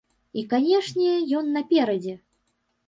І, канечне, ён наперадзе.